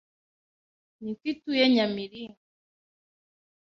Ni ko ituye Nyamiringa